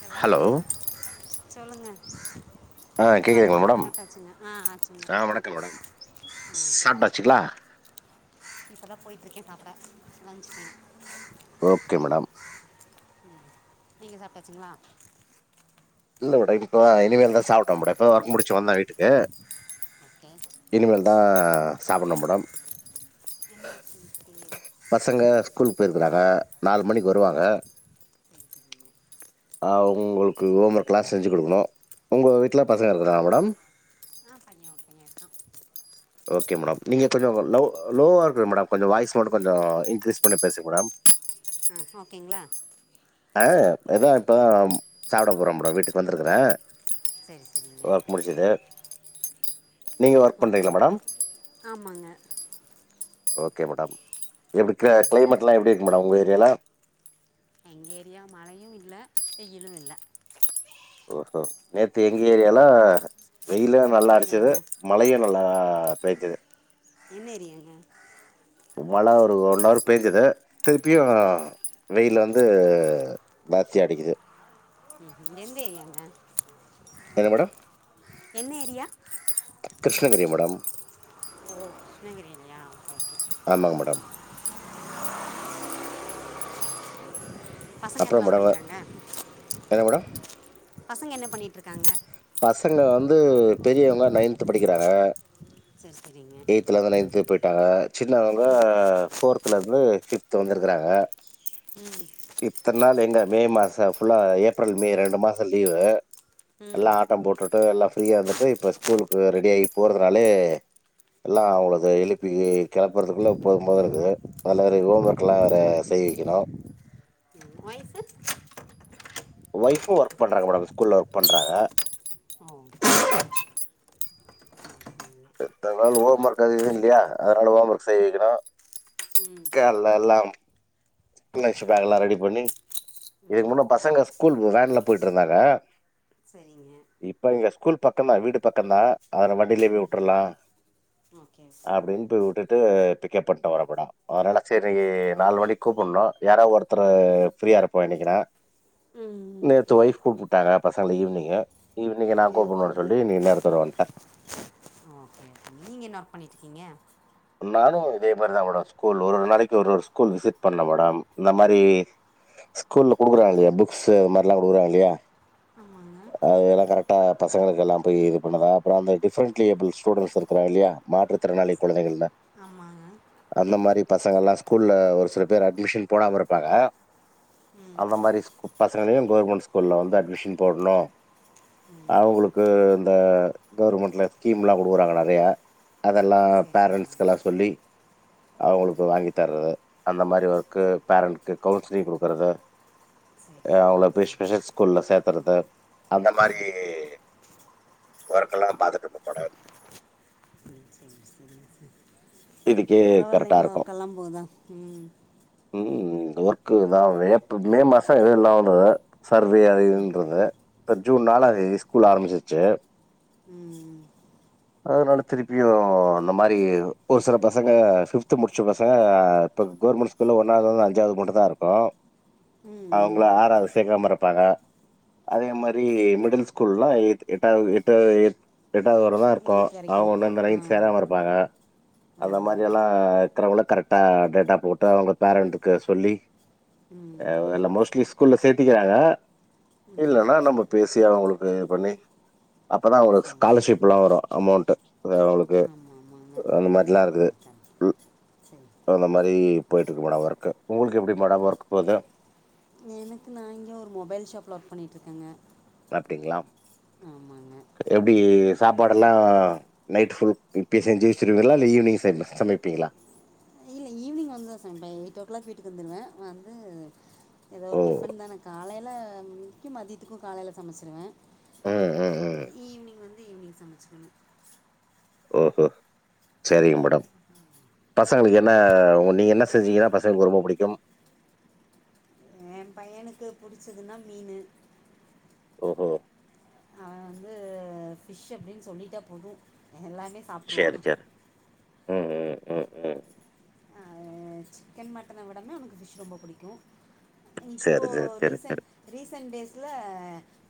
கல ஹலோ சொல்லுங்க ஆ காலு கேக்குதுங்களா இப்பதா மேடம் கனெக்ட் ஆச்சுங்க ஆ ஆச்சுங்க ஆ சாப்டாச்சிங்ளா இப்ப தா போயிட்டு இருக்கே சாப்பட லஞ்ச்சிக்கி ஓகே மேடம் ம் நீங்க சாப்டாச்சிங்ளா இல்ல மேடம் இப்ப இனிமேல் தா சாப்டனு மேடம் இப்பத ஒர்க் முடிச்சி வந்த வீட்டுக்கு ஓகே இனிமேல் தா சாப்புட்னு மேடம் என்ன வொர்க் பண்ணிட்டிருக்கீங்க பசங்க ஸ்கூலுக்கு போயிருக்குறாங்க நாலு மணிக்கு வருவாங்க அவுங்களுக்கு ஹோம் ஒர்க்லா செஞ்சி குடுக்கணு உங்க வீட்ல பசங்க இருக்குத மேடம் ஆ ஒரு பைய இருக்கா ஓகே மேடம் நீங்க கொஞ்சோ லோவ் லோவ இருங்கு மேடம் கொஞ்சோ வாய்ஸ் மட்டு கொஞ்சோ இன்க்ரீஸ் பண்ணி பேசுங்க மேடம் ஆ ஓகேங்ளா ஆ இதா இப்பதா சாப்பட போறே மேடம் வீட்டுக்கு வந்திருக்குறே சேரி சேரிங்க திதர் நீங்க ஒர்க் ஓகே பண்றீங்ளா ஆமாங்க ஓகே மேடம் எப்டி கிளைமேட்ல்லா எப்டி இருக்கு மேடம் உங்க ஏரியால எங்க ஏரியா மழையு இல்ல வெயிலு இல்ல ஓ ஹோ நேத்து எங்க ஏரியால வெயிலு எந்த நல்லா அடிச்சுது ஏரியாங்க மழையு நல்லா பெய்ஞ்சுது என்ன ஏரியாங்க மழை ஒரு ஒன் ஹவர் பேஞ்சுது திருப்பியு வெயில் வந்து ஜாஸ்தியா அடிக்குது ம் ஹு எந்த ஏரியாங்க என்ன மேடம் என்ன ஏரியா கிருஷ்ணகிரி மேடம் ஓ கிருஷ்ணகிரிலயா ஓகே ஆமாங்க மேடம் பசங்க அப்றோ எத்தனாது மேடம் படிக்கிறாங்க என்ன மேடம் பசங்க என்ன பண்ணிட்டு இருக்காங்க பசங்க வந்து பெரியவங்க நய்ன்த் படிக்கிறாங்க சரி சரிங்க எயித்லந்து நய்ன்த் போய்ட்டாங்க சின்னவங்க ஃபோர் த்லருந்து ஃபிப்து வந்துருக்றாங்க ம் இத்தன் நாள் எங்க மே மாச ஃபுல்லா ஏப்ரல் மே ரெண்டு மாச லீவு ம் எல்லா ஆட்ட போட்டுட்டு எல்லா பிரீயா இருந்துட்டு இப்ப ஸ்கூலுக்கு ரெடி ஆகி போறதுனாலே எல்லா அவங்களுக்கு எழுப்பி கிளப்புறதுக்குள்ள போது போது இருக்குது இதுல வேற ஹோம் ஒர்க்ல்லா வேற செய் வைக்கணு ம் ஓய்ஃபு ஒய்ஃபு ஒர்க் பண்றாங்க மேடம் ஸ்கூல்ல ஒர்க் பண்றாங்க ஆ இத்தன நாள் ஹோம் ஒர்க் எதுவு இல்லயா அதனால ஹோம் ஒர்க் செய்ய வைக்கணு ம் கே அல்லல்லாம் லன்ச்பேக் எல்லா ரெடி பண்ணி இதுக்கு முன்ன பசங்க ஸ்கூல் வேன்ல போயிட்டு இருந்தாங்க சரிங்க இப்போ இங்க ஸ்கூல் பக்கதா வீடு பக்க தா அது நா வண்டிலயே போய் விட்ருலா ஓகே ஓகேங்க அப்டின் போய் விட்டுட்டு பிக்கப் பண்ட்டு வர மேடம் அதனால சரி நாலு மணிக்கு கூப்புட்ணு யாராவ ஒருத்தர் ப்ரீயா இருப்போ இன்னைக்குனா நேத்து ஒய்ஃப் கூப்ட்டாங்க பசங்கள ஈவினிங்கு ஈவினிங்கு நா ஓகே ஓகே கூப்புட்ணுன் சொல்லி இன்னிக்கி நேரத்தோட வந்ட்ட ஓகே பி நீங்க என்னா ஒர்க் பண்ணிட்ருக்கீங்க நானு இதே மாரிதா மேடம் ஸ்கூல் ஒரு ஒரு நாளைக்கு ஒரு ஸ்கூல் விசிட் பண்ணு மேடம் இந்த மாரி ஸ்கூல்ல குடுக்குறாங்கல்ல புக்ஸ் இந்த மாரிலா குடுக்குறாங்க இல்லயா ஆமாங்க அதல்லா கரெக்ட்டா பசங்களுக்கு எல்லா இது பண்ணதா அப்பற அந்த டிஃப்ரென்ட்லிபிள் ஸ்டூடண்ட்ஸ் இருக்குறாங் இல்லயா மாற்றுத்திறனாளி குழந்தைகள்ல ஆமா அந்த மாரி பசங்கள்ல்லா ஸ்கூல்ல ஒரு சில பேர் அட்மிஷன் போடாம இருப்பாங்க அந்த மாரி பசங்களையு கவர்மெண்ட் ஸ்கூல்ல வந்து அட்மிஷன் போட்ணு அவங்களுக்கு இந்த கவர்மெண்ட்ல ஸ்கீம்ல்லா குடுக்குறாங்க நெறயா அதெல்லா சரி சரிங்க பேரண்ஸ்க்கெல்லா சொல்லி அவுங்களுக்கு வாங்கி தறே அந்த மாரி ஒர்க்கு பேரண்க்கு கவுன்சிலிங் குடுக்குறது சரி அ அவுங்ள சரிங்க போய் சார் ஸ்பெஷல் ஸ்கூல்ல சேத் தரது அந்த மாரி ஒர்க்கெல்லா பாத்துட்டுருக்கே மேடம் ம் செரிங் செரிங் சார் இதுக்கே கரெக்டா பரவாலிங்ளா இருக்கு கலம்போதா ம் ம் இங்க ஒர்க்கு இதா ஏப்ரல் மே மாச எது இல்லாம [unintelligible] சர்வே அது ம் இதுன்றது இப்ப ஜூன் நாலாந் சரி தேதி ஸ்கூல் ஆரம்பிச்சிருச்சு ம் அதனால திருப்பியு இந்த மாரி ஒரு சில பசங்க ஃபிப்து முடிச்ச பசங்க இப்ப கவர்மெண்ட் ஸ்கூல்ல ஒன்னாவ்த்லெந் அஞ்சாவத் மட்டு தா இருக்கு ம் ம் அவுங்கள ஆறாவ்து சேக்காம இருப்பாங்க அதே மாரி மிடில் ஸ்கூல்லா எட் எட்டாவது எட்டாவது எட் எட்டாவது வர தா இரு க்கோ எயித் வரைக்கு அவுங்க இருக்கு வந்து அந்த ஆ நைன்த் சேராம இருப்பாங்க ஆ அந்த மாரி எல்லா இர்க்கறவங்கள கரெட்டா டேட்டா போட்டு அவுங்க பேரண்ட்டுக்கு சொல்லி அ ம் எல்லா மோஸ்ட்லி ஸ்கூல்ல சேத்திக்கிறாங்க ம் இல்லன்னா நம்ம பேசி அவுங்களுக்கு இது பண்ணி அப்பதா அவுங்களுக்கு சரி ஸ்காலர்ஷிப்ல்லா வரு அமௌன்ட்டு அவுங்களுக்கு ஆமா ஆமாங்க அந்த மாதிரில்லா கரெக்ட் இருக்குது கரெக்ட் சரி அந்த மாரி போய்ட்டுருக்கு மேடம் ஒர்க்கு உங்களுக்கு எப்டி மேடம் ஒர்க் போது எனக்கு நா இங்க ஒரு மொபைல் ஷாப்ல ஒர்க் பண்ணிட்டுருக்கேங்க சாப்ட்டீங்ளா ஆமாங்க எப்டி அது சாப்பாடெல்லா நைட் ஃபுல் இப்பயே செஞ்சு வெச்சிருவீங்ளா இல்ல ஈவினிங் ச சமைப்பிங்ளா இல்லை ஈவினிங் வந்துதா சமப்பே எயிட் ஓ க்ளாக் வீட்டுக்கு வந்துடுவே வந்து எதோ ஒரு ஓ டிஃபன் தான காலைலதிக்கு மதித்துக்கு காலைல சமச்சிடுவே அ அ அ ஈவ்னிங் சமச்சிக்கணு ஓஹோ சரிங்க மேடம் பசங்களுக்கு என்ன உங்க நீங்க என்ன செஞ்சீங்கனா பசங்களுக் ரொம்ப புடிக்கும் எ பையனுக்கு புடிச்சதுனா மீனு ஓஹோ அவ வந்து அ ஃபிஷ் அப்டின் சொல்லிட்டா போது எல்லாமே சேரி சாப்பிட்ருவான் சேரி ம் ம் ம் ம் அ சிக்கன் மட்டன விடமே அவனுக்கு ஃபிஷ் ரொம்போ புடிக்கு இப்போ சரி சரி சரி ரீசென் சரி ரீசன் டேஸ்ல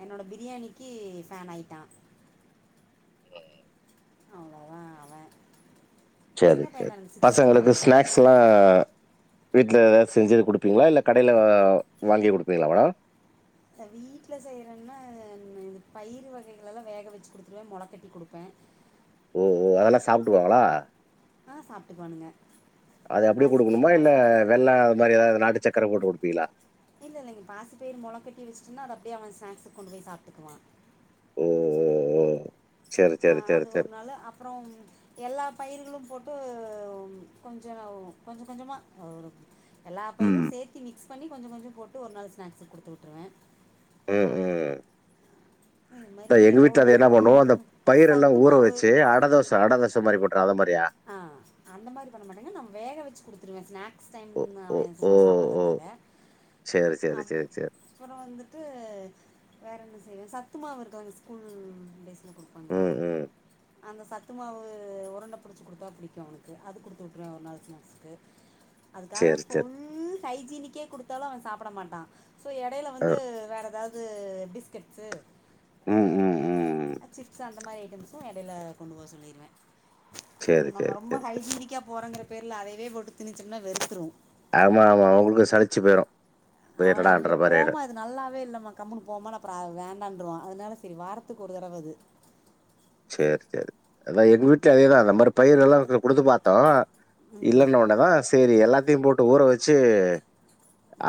என்னோட பிரியாணிக்கு ஃபேன் ஆயிட்டா அவ்வளோதான் அவன் சேரி சின்ன பையன் சேரி தான் சிக்ஸ்த் தான் பசங்களுக்கு படிக்கிறான் ஸ்நாக்ஸ் எல்லா வீட்ல எதாச்சு செஞ்சுது குடுப்பீங்களா இல்ல கடைல அ வாங்கி குடுப்பீங்களா மேடம் வீட்ல செய்றன்னா இந்த பயிறு வகைகளல்லா வேக வெச்சு குடுத்துருவே மொளக்கட்டி குடுப்பே ஓ ஓ அதெல்லா சாப்டுவாங்களா ஆ சாப்ட்டுக்குவானுங்க அது அப்டியே குடுக்கணுமா இல்ல வெள்ள அது மாறி எதாவ்து நாட்டு சக்கர போட்டு குடுப்பீங்களா இல்ல இல்லைங்க பாசி பயிறு மொளக்கட்டி வச்சுட்டுன்னா அது அப்டியே அவன் ஸ்நேக்ஸ்க்கு கொண்டு போய் சாப்ட்டுக்குவா ம் ம் ம் சேரி சேரி சேரி சேரி ப்றம் எல்லா பயிர்களும் போட்டு கொஞ்சொ கொஞ்ச கொஞ்சமா ஓ எல்லா ம். பயிறும் சேத்தி மிக்ஸ் பண்ணி கொஞ்ச கொஞ்சம் போட்டு ஒரு நாள் ஸ்நாக்ஸ்சு குடுத்து உட்ருவே அ அ இது மாதிரி த எங்க வீட்ல ஒரு அது நாள் என்ன பண்ணூ அந்த பயிரல்லா சத்து ஊற மாவு வச்சு அடதோச த அடதோச மாரி போட்டுறு அத மாரியா ஆ அந்த மாரி பண்ண மாட்டேங்க நா வேக வச்சு குடுத்துருவே ஸ்நாக் க்ஸ் டைம் ஓ! ஓ! அவே ஓ! சும்மா ஓ! சாப்டறக்காக சரி, சரி, அப் சரி, சரி. ப்பறோ வந்துட்டு வேற என்ன செய்வே சத்துமாவு இருக்கு அவுங்க ஸ்கூல் டேஸ்ல கூட பண்ணுவே ம், ம். அந்த சத்து மாவு உரண்டப் புடிச்சு குடுத்தா புடிக்கூ அவனுக்கு அது குடுத்து விட்ருவே ஒரு நாலு ஸ்நாக்ஸ்க்கு அதுக்காக சரி, சரி. ஃபுல் ஹைஜீனிக்கே குடுத்தாலு அவே சாப்பட மாட்டா சோ எடைல அ. வந்து வேற ஏதாவ் து பிஸ்கெட்ஸ்சு அ அ அ ஆ சிப்ஸ் அந்த மாரி ஐட்டம்ஸ்சு எடைல கொண்டு போக சொல்லிருவே சரி, நம்ம சரி, ரொம்ப சரி, சரி. ஹைஜீனிக்கா போறோங்கிற பேர்ல அதையவே போட்டு திணிச்சம்னா வெறுத்துரு ஆமா ஆமா அவுங்களுக்கு சழிச்சு போயிரு அவனே ஐயோ போமா இது நல்லாவே இல்லம்மா கம்முனு போமா அப்பறோ அது வேண்டான்றுவா அதுனால செரி வாரத்துக்கு ஒரு தடவ அது சேரி சேரி அதா எங்க வீட்லயு அதேதா இந்த மாரி பயிர எல்லாக் குடுத்து பாத்தோ ம் இல்லன்ன ஒன்னதா சரி எல்லாத்தையு போட்டு ஊற வச்சு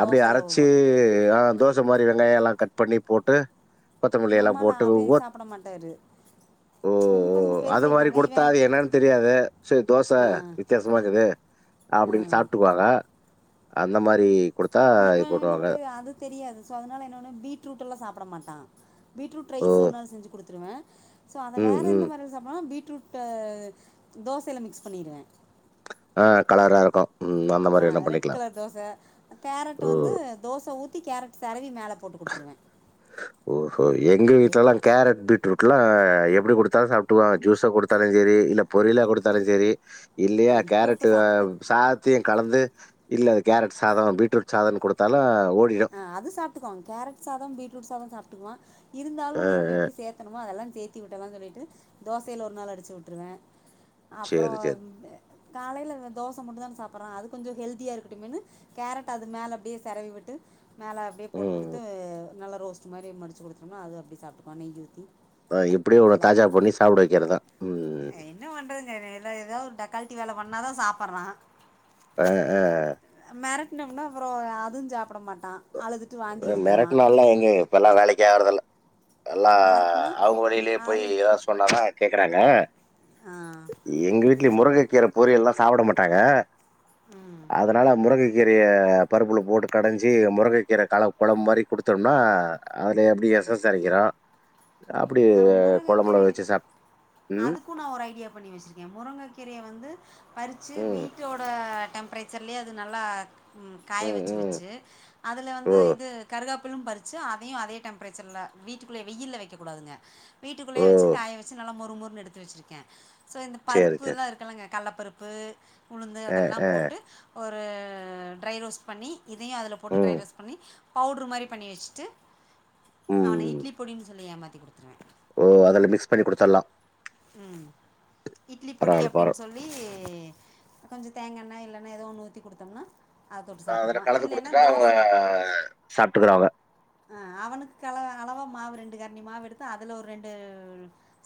அப்டியே அரச்சு போட்டேன் அ தோச மாறி வெங்காயம் எல்லா கட் பண்ணி போட்டு கொத்தமல்லி எல்லா போட்டு ஒவ்வொர் போட மாட்டாரு ஓ உங்க ஓ பசங்க அது மாறி பெருசாயிட்டாங்க குடுத்தா இவன் அது என்னன்னு தெரியாதே சரி தோச ஆ வித்தியாசமா இருக்குது ஆ அப்டின் சாப்ட்டுக்குவாங்க அந்த மாறி குடுத்தா இது பண்ணுவாங்க இவனுக்கு அது தெரியாது சோ அதனால என்னன்னா பீட்ரூட் எல்லா சாப்ட மாட்டா பீட்ரூட் ஓ! ரைஸ் ஒரு நாள் செஞ்சு குடுத்துருவேன் சோ அத ம், வேற ம். எந்த மாறி சாப்டுவான்னா பீட்ரூட் ட தோசயில மிக்ஸ் பண்ணிருவே ஆ கலரா இருக்கூ ஆ ரெட் கலர் தோச கேரட் ஓ! வந்து தோச ஊத்தி கேரட் செரவி மேல போட்டு குடுத்துருவே ஓஹோ எங்க எப் வீட்லலா கேரட் பீட்ரூட்ல்லா எப்டி குடுத்தாலு சாப்ட்டுவா ஜுஸா குடுத்தாலு செரி இல்ல பொரியலா குடுத்தாலு செரி இல்லையா ஆ இப்ப இப்ப கேரட்டு சாப்ட்டு சாத் த்தியு கலந்து இல்ல அது கேரட் சாதோ பீட்ரூட் சாதோனு குடுத்தாலு ஓடிடு அ அது சாப்டுக்குவாங் கேரட் சாதம் பீட்ரூட் சாதொ சாப்டுக்குவா அ, இருந்தாலு நம்ம அ. எப்டி சேத் த்தனுமோ அதெல்லா சேத்தி விட்டலானு சொல்லிட்டு தோசேல ஒரு நாள் அடிச்சு வுட்டுருவே அப்றோ சரி, சரி. ம் அ காலேல இவே தோச மட்டு தான சாப்றா அது கொஞ்சோ ஹெல்தியா இருக்கட்டுமேனு கேரட் அது மேல அப்டியே செரவி விட்டு மேலே அப்டியே போட்டு ம். குடுத்து நல்லா ரோஸ்டு மாரி மடிச்சு குடுத்துடோம்னா அது அப்டி சாப்டுகுவா நெய்ஊத்தி அ எப்டியே ஒன தாஜாபண்ணி சாப்ட வக்கிறதா என்ன பண்றதுங்க இனி இல்லா ஏதாவ் ஒரு டக்கால்ட்டி வேல பண்ணாதா சாப்பறா அ அ அமெரட்னம்னா அப்பறோ அது சாப்ட மாட்டா அ மெரட்னால வந்து இப்பல்லா வேளேக்கே ஆகுறதில்ல எல்லா மிரட்டுனா அவுங்க வழியிலே போய் அழு ஏதாவ்து சொன்னாதா கேக்குறாங்க ஆ எங்க வீட்ல முருங்க கீர பொரியல்லா சாப்ட மாட்டாங்க ம் அதனால முருங்கைக்கீரைய பருப்புல போட்டு கடஞ் சி முருங்க கீர கலவு கொழம்பு மாரி குடுத்தோனா அதுல எப்டி எஸ்ஸஸ் எறங்கிறு அப்டி ஆ கொழம்புல வச்சு சாப் உம் கு நா ஒரு ஐடியா பண்ணி வச்சிருக்கே முருங்கக்கீரய வந்து பறிச்சு ம், வீட்டோட டெம்ப்ரே ச்சர்லே அது நல்லா உம் காய ம், வச்சு ம். வச்சு அதுல வந்து ஓ! இது கருகாப்பிலு பறிச்சு அதயு அதே டெம்ப்ரேச்சர்ல வீட்டுக்குள்ளயே வெயில வைக்கக்கூடாதுங்க வீட்டுக்குள்ளே ஓ! வச்சு காய வச்சு நல்லா மொறுமொறுனு எடுத்து வச்சிருக்கே சோ இந்த சரி, பருப்பு சரி. எல்லா இருக்குலங்க கல்லப்பருப்பு உளுந்து அ, அதெல்லா அ. போட்டு ஒரு ட்ரை ரோஸ் பண்ணி இதையும் அதுல போட்டு ட்ரை ம், ரோஸ் பண்ணி பவுட்ரு மாரி பண்ணி வச்சுட்டு அவனை ம். இட்லி பொடின்னு சொல்லி ஏமாத்தி கொடுத்துருவேன் ஓ அதுல மிக்ஸ் பண்ணி கொடுத்தலாம் ம் இட்லி பொடி பரவால்ல, அப்படின்னு பரவா சொல்லி மாரி கொஞ்சம் தேங்கண்ணா இல்லன்னா ஏதோ ஒண்ணு ஊத்தி குடுத்தோம்னா அத தொட்டு அதுல சாப்ட்டுக்குவான் கலந்து இல்லன்னா குடுத்துட்டா அவங்க தோச சாப்ட்டுக்குறாங்க. அ அவனுக்கு அளவா மாவு ரெண்டு கரன்டி மாவு எடுத்து அதுல ஒரு ரெண்டு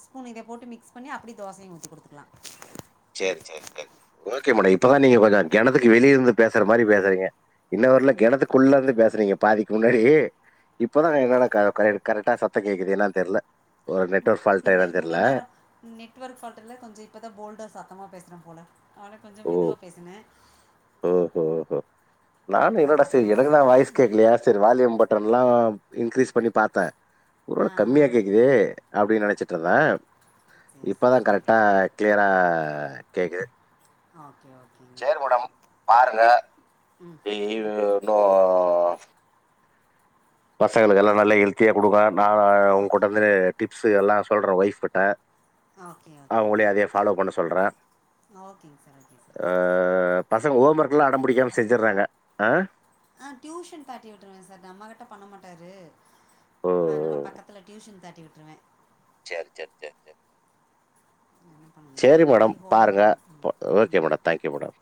ஸ்பூன் இத போட்டு மிக்ஸ் பண்ணி அப்படி தோசையும் ஊத்தி கொடுத்துக்கலாம் செரி செரி சேரி ஓகே மேடம் இப்பதான் நீங்க கொஞ்சம் கெணத்துக்கு வெளிய இருந்து பேசுற மாரி பேசுறீங்க இன்னவரல கிணத்துக்குள்ள இருந்து பேசுறீங்க பாதிக்கு முன்னாடி இப்பதான் என்ன கரெ கரெ கரெக்டா சத்தம் கேக்குது என்னன்னு தெரில ஒரு நெட்ஒர்க் ஃபால்டா இல்ல என்னன்னு தெரில இவ்ளோ நேரோ நெட்வொர்க் ஃபால்ட்ல்ல கொஞ்சம் இப்போதான் போல்டா சத்தமாக பேசுறே போல அவன கொஞ்சம் ஓ! மெதுவாக பேசுன ஓஹோ ஓஹோ நானும் என்னோட சரி சத்தமா எனக்குதான் வாய் ஸ் கேக்கலயா செரி வால்யூம் பட்டனல்லா இன்கீரீஸ் பண்ணி பாத்தே ஆ ஒருவேல ஆ கம்மியா கேக்குதே அப்டின் நெனச்சிட்டு இருந்தே சேரி இப்பதா சேரிங்க கரெக்டா கிளியரா கேக்குது ஓகே ஓகே சேரி முடம் பாருங்க ம் [unintelligible] இன்னும் பசங்களுக்கெல்லாம் நல்லா ஹெல்த்தியா கொடுக்கன் நா ஓகே உங்க்கிட்ட வந்து டிப்ஸ் எல்லாம் சொல்றேன் ஒய்ஃப் கிட்ட ஓகே ஓகேங்க அவுங்களையும் அதே ஃபாலோ பண்ண சொல்றேன் ஓகேங்க சார் ஓகே சார் அ பசங்க ஹோம் ஒர்க்கெலாம் அடொ பிடிக்காமல் செஞ்சறாங்க அ ஆ டியூஷன் தாட்டி விட்டுருவேன் சார் நம்மகிட்ட பண்ண மாட்டாரு ஓ அதனால பக்கத்துல டியூஷன் தட்டி விட்டுருவேன் செர் செர் செர் செ [unintelligible] செரி அங்கே போய் மேடம் ஹோம் பாருங்க ஒர்க் ம் ஓ ஓகே மேடம் தேங்க்யூ மேடம்